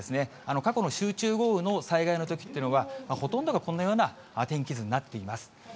過去の集中豪雨の災害のときっていうのは、ほとんどがこんなような天気図になっています。